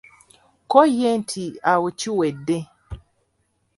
Ko ye nti awo kiwedde.